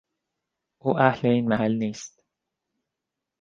او اهل این محل نیست.